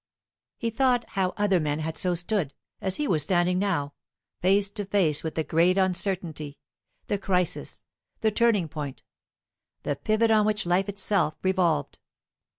He thought how other men had so stood, as he was standing now, face to face with the great uncertainty, the crisis, the turning point the pivot on which life itself revolved.